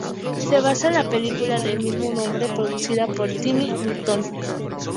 Se basa en la película del mismo nombre producida por Tim Burton.